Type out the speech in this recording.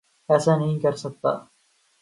ایسا نہیں کرسکتا